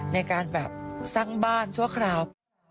ในการแบบสร้างบ้านชั่วคราว